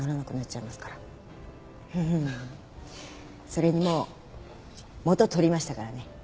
それにもう元取りましたからね。